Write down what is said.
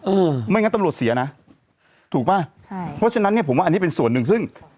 อืมไม่งั้นตำรวจเสียนะถูกป่ะใช่เพราะฉะนั้นเนี้ยผมว่าอันนี้เป็นส่วนหนึ่งซึ่ง